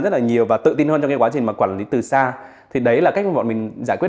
rất là nhiều và tự tin hơn trong cái quá trình mà quản lý từ xa thì đấy là cách mà bọn mình giải quyết